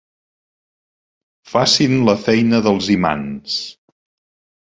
Facin la feina dels imants.